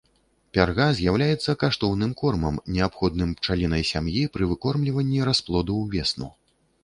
Пярга з'яўляецца каштоўным кормам, неабходным пчалінай сям'і пры выкормліванні расплоду увесну.